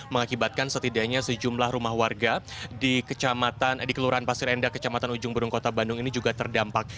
mengakibatkan setidaknya sejumlah rumah warga di kelurahan pasir indah kecamatan ujung penunggung kota bandung ini juga terdampak